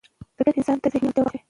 طبیعت انسان ته ذهني ارامتیا وربخښي